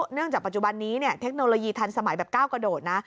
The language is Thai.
จากปัจจุบันนี้เทคโนโลยีทันสมัยแบบก้าวกระโดดนะ